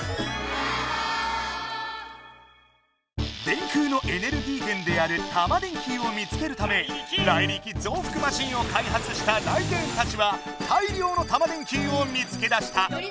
電空のエネルギー源であるタマ電Ｑを見つけるためライリキぞうふくマシンをかいはつしたライデェンたちは大りょうのタマ電Ｑを見つけ出した。